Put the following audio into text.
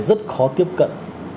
rất khó tiếp cận